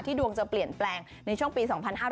ดวงจะเปลี่ยนแปลงในช่วงปี๒๕๕๙